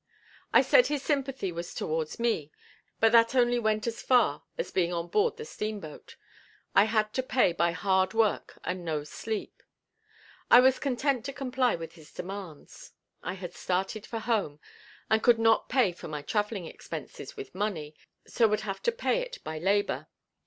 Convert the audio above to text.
I said his sympathy was towards me, but that only went as far as being on board the steamboat; I had to pay by hard work and no sleep. I was content to comply with his demands; I had started for home, and could not pay for my traveling expenses with money, so would have to pay it by labor.